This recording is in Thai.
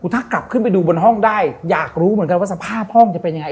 ถ้ากลับขึ้นไปดูบนห้องได้อยากรู้เหมือนกันว่าสภาพห้องจะเป็นยังไง